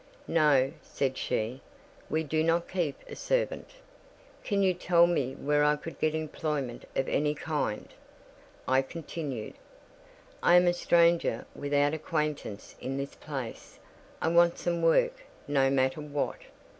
"No," said she; "we do not keep a servant." "Can you tell me where I could get employment of any kind?" I continued. "I am a stranger, without acquaintance in this place. I want some work: no matter what."